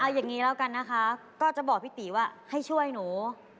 อย่างนี้แล้วกันนะคะก็จะบอกพี่ตีว่าให้ช่วยหนู